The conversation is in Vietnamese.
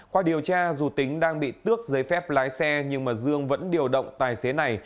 qua điều tra dù tính đang bị tước giấy phép lái xe nhưng mà dương vẫn điều động tài xế này